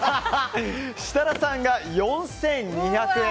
設楽さんが４２００円。